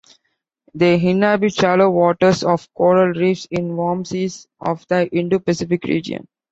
They inhabit shallow waters of coral reefs in warm seas of the Indo-Pacific region.